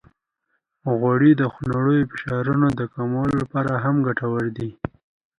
غوړې د خونړیو فشارونو د کمولو لپاره هم ګټورې دي.